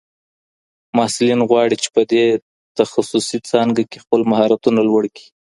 محصلین غواړي چې په دې تخصصي څانګه کې خپل مهارتونه لوړ کړي.